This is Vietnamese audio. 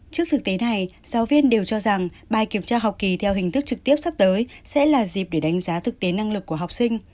trước thực tế này giáo viên đều cho rằng bài kiểm tra học kỳ theo hình thức trực tiếp sắp tới sẽ là dịp để đánh giá thực tế năng lực của học sinh